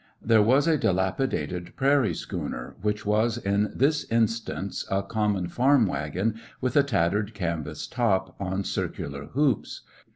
There was a dilapidated prairie schooner, which was in this instance a common farm wagon with a tattered canvas top on circular hoops.